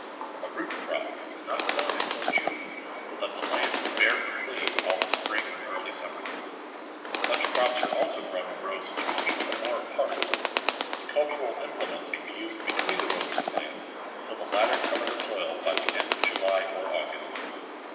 A root crop is not sown until June so that the land is bare for cleaning all the spring and early summer. Such crops also are grown in rows two feet or more apart, and cultural implements can be used between the rows of plants until the latter cover the soil by the end of July or August.